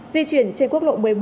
di chuyển trên quốc lộ một mươi bốn